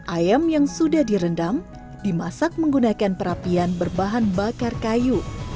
ayam yang sudah direndam dimasak menggunakan perapian berbahan bakar kayu